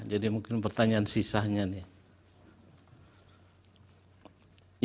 jadi mungkin pertanyaan sisanya nih